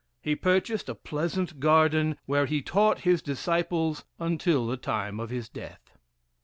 He purchased a pleasant garden, where he taught his disciples until the time of his death.